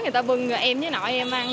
người ta bưng em với nội em ăn